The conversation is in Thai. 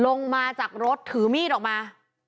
ลงมาจากรถถือมีดออกมา